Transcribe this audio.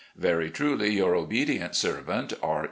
" Very truly your obedient servant, R.